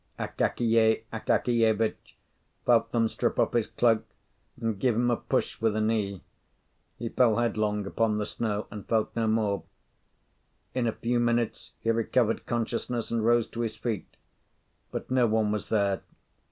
Akakiy Akakievitch felt them strip off his cloak and give him a push with a knee: he fell headlong upon the snow, and felt no more. In a few minutes he recovered consciousness and rose to his feet; but no one was there.